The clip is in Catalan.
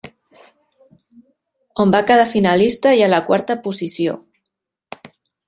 On va quedar finalista i a la quarta posició.